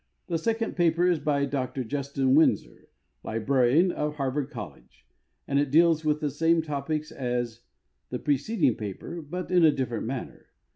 The second paper is by Dr Justin Winsor, librarian of Har vard College, and it deals with the same topics as the preceding paper, but in a diff'erent manner.